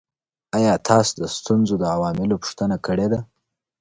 آيا تاسو د ستونزو د عواملو پوښتنه کړې ده؟